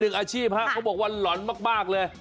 หนึ่งอาชีพครับเขาบอกว่าหลอนมากเลย